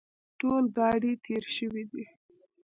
ټول ګاډي تېر شوي دي.